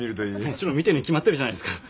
もちろん見てるに決まってるじゃないですか。